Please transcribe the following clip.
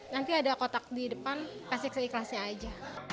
nanti ada kotak di depan kasih seikhlasnya aja